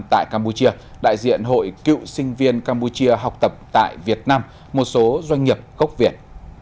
tại campuchia đại diện hội cựu sinh viên campuchia học tập tại việt nam một số doanh nghiệp gốc việt